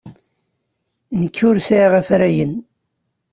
Nekk ur sɛiɣ afrayen.